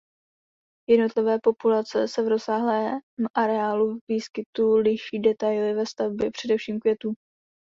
Jednotlivé populace se v rozsáhlém areálu výskytu liší detaily ve stavbě především květů.